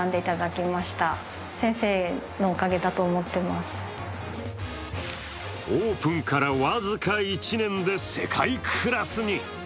するとオープンから僅か１年で世界クラスに。